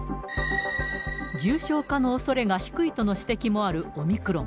重症化のおそれが低いとの指摘もあるオミクロン。